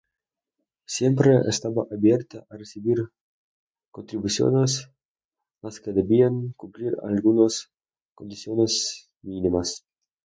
Siempre estaba abierta a recibir contribuciones las que debían cumplir algunas condiciones mínimas.